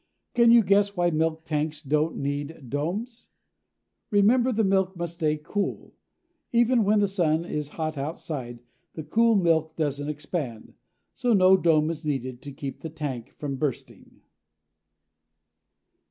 Can you guess why milk tanks don't need domes? Remember the milk must stay cool. Even when the sun is hot outside, the cool milk doesn't expand, so no dome is needed to keep the tank from bursting.